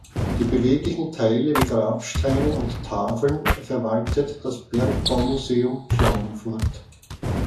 Die beweglichen Teile wie Grabsteine und Tafeln verwaltet das Bergbaumuseum Klagenfurt.